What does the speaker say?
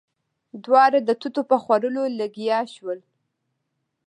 دواړه د توتو په خوړلو لګيا شول.